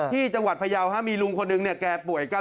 ที่จังหวัดเผยาฮะมีลังคนนึงนี่แก่ป่วยกล้าม